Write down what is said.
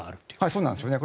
そうなんですよね。